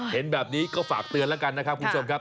เห็นแบบนี้ก็ฝากเตือนแล้วกันนะครับคุณผู้ชมครับ